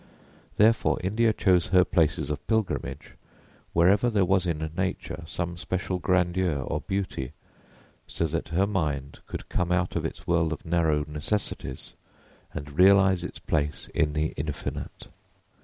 Therefore India chose her places of pilgrimage wherever there was in nature some special grandeur or beauty, so that her mind could come out of its world of narrow necessities and realise its place in the infinite.